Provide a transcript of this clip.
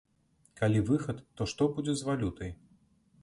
Калі выхад, то што будзе з валютай?